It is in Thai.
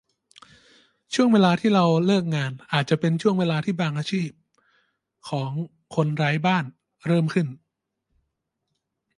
ช่วงเวลาที่เราเลิกงาน อาจจะเป็นช่วงเวลาที่บางอาชีพของคนไร้บ้านเริ่มขึ้น